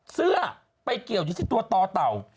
เสื้อไปเกี่ยวอยู่ที่ตัวต่อเต่า